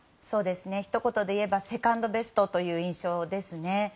ひと言で言えばセカンドベストという印象ですね。